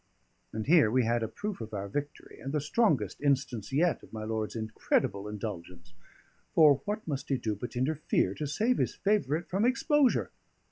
And here we had a proof of our victory, and the strongest instance yet of my lord's incredible indulgence; for what must he do but interfere to save his favourite from exposure!